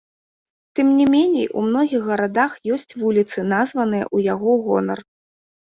Тым не меней у многіх гарадах ёсць вуліцы, названыя ў яго гонар.